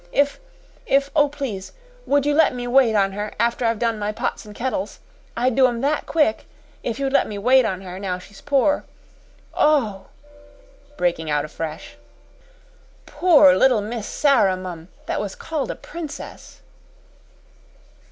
If if, oh please, would you let me wait on her after I've done my pots an' kettles? I'd do 'em that quick if you'd let me wait on her now she's poor. Oh," breaking out afresh, "poor little Miss Sara, mum that was called a princess."